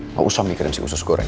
nggak usah mikirin si usus goreng